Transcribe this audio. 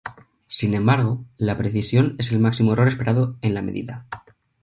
Sin embargo, la precisión es el máximo error esperado en la medida.